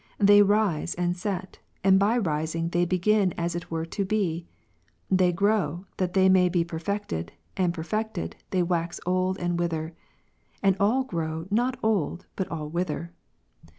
They rise, and set ; and by rising, they begin as it were to be ; they grow, that they may be perfected ; and perfected, they wax old and wither; and all grow not old, but all wither.